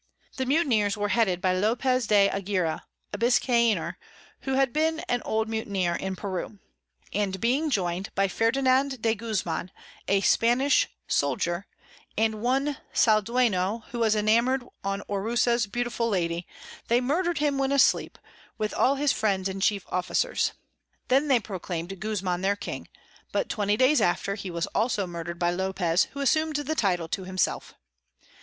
The Mutineers were headed by Lopez de Agira a Biscayner, who had been an old Mutineer in Peru; and being join'd by Ferdinand de Guzman a Spanish Soldier, and one Saldueno who was enamour'd on Orsua's beautiful Lady, they murder'd him when asleep, with all his Friends and chief Officers. Then they proclaim'd Guzman their King, but 20 days after he was also murder'd by Lopez, who assum'd the Title to himself.